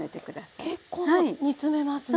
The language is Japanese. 結構煮詰めますね。